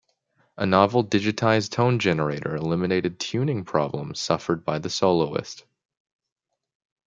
A novel "digitized" tone generator eliminated tuning problems suffered by the Soloist.